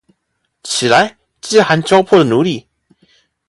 起来，饥寒交迫的奴隶！